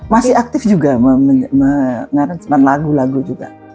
masih aktif juga mengaransikan lagu lagu juga